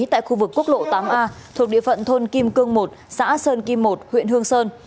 tại khu vực quốc lộ tám a thuộc địa phận thôn kim cương một xã sơn kim một huyện hương sơn